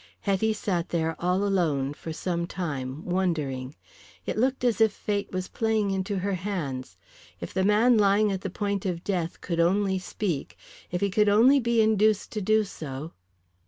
Hetty sat there all alone for some time wondering. It looked as if fate was playing into her hands. If the man lying at the point of death could only speak, if he could only be induced to do so.